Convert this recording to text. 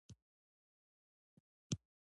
دا تکلیف مو له کله شروع شو؟